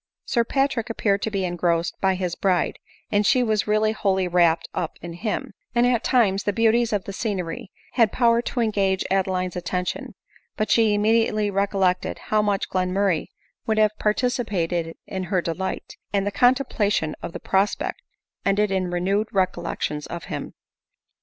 Sir Patrick appeared to be engrossed by his bride, and she was really wholly wrapt up in him ; and at times the beauties of the scenery around had power to engage Adeline's attention ; but she immediately recollected how much Glenmurray would have participated in her delight, and the contemplation of the prospect ended in renewed recollections of him.